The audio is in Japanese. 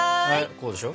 こうでしょ。